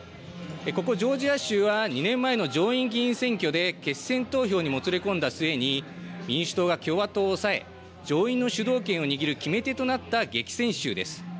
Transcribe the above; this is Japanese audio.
ここジョージア州は２年前の上院議員選挙で決戦投票にもつれ込んだ末に民主党が共和党を抑え、上院の主導権を握る決め手となった激戦州です。